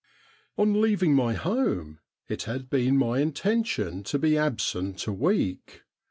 On leaving my home it had been my intention to be absent a week.